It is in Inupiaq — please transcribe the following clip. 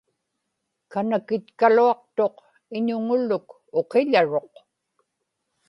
kanakitkaluaqtuq iñuŋuluk uqiḷaruq